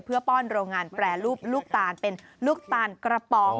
เพื่อป้อนโรงงานแปรรูปลูกตาลเป็นลูกตาลกระป๋อง